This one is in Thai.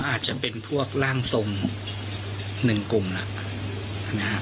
ก็อาจจะเป็นพวกร่างสมหนึ่งกลุ่มแล้วนะฮะ